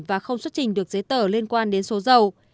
và không xuất trình được giấy tờ liên quan đến số dầu